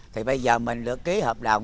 thì bây giờ mình lựa ký hợp đồng